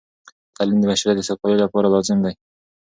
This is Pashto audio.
تعلیم د بشریت د سوکالۍ لپاره لازم دی.